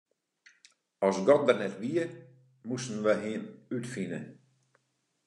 As God der net wie, moasten wy Him útfine.